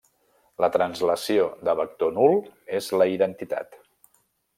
La translació de vector nul és la identitat.